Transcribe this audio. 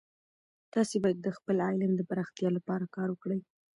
تاسې باید د خپل علم د پراختیا لپاره کار وکړئ.